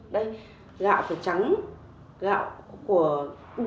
đây gạo phải trắng gạo của uống thực của cao bằng